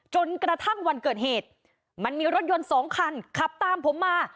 จนกระทั่งวันเกิดเหตุมันมีรถยนต์สองคันขับตามผมมา